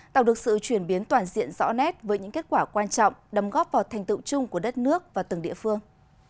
tạo được sự chuyển biến toàn diện rõ nét với những kết quả quan trọng đóng góp vào thành tựu chung của đất nước và từng địa phương